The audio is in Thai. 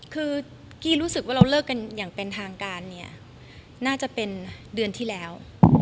คือกี้รู้สึกว่าเราเลิกกันอย่างเป็นทางการเนี่ยน่าจะเป็นเดือนที่แล้ว